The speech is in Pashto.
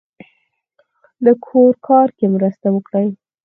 د کور کار کې مرسته وکړئ